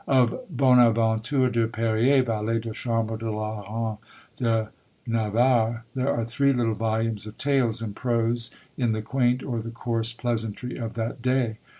Of "Bonaventure de Periers, Valet de Chambre de la Royne de Navarre," there are three little volumes of tales in prose, in the quaint or the coarse pleasantry of that day.